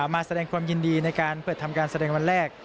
มาแสดงความยินดีในการเปิดทำการแสดงวันแรก